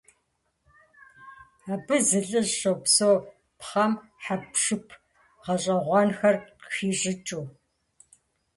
Абы зы лӀыжь щопсэу, пхъэм хьэпшып гъэщӀэгъуэнхэр къыхищӀыкӀыу,.